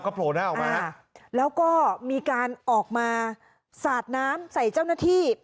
โผล่หน้าออกมาแล้วก็มีการออกมาสาดน้ำใส่เจ้าหน้าที่